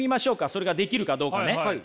それができるかどうかね。